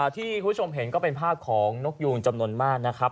ที่คุณผู้ชมเห็นก็เป็นภาพของนกยูงจำนวนมากนะครับ